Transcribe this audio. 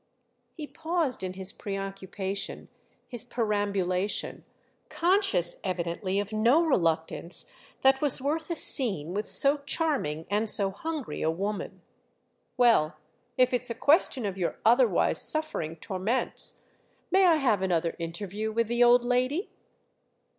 He paused in his preoccupation, his perambulation, conscious evidently of no reluctance that was worth a scene with so charming and so hungry a woman. "Well, if it's a question of your otherwise suffering torments, may I have another interview with the old lady?"